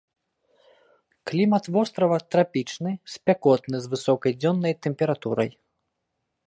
Клімат вострава трапічны, спякотны з высокай дзённай тэмпературай.